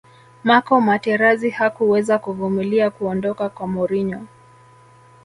marco materazi hakuweza kuvumilia kuondoka kwa mourinho